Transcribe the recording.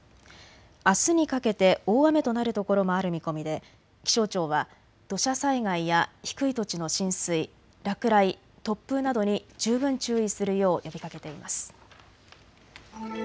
あすにかけて大雨となる所もある見込みで気象庁は土砂災害や低い土地の浸水、落雷、突風などに十分注意するよう呼びかけています。